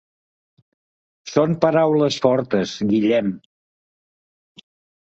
Són paraules fortes, Guillem.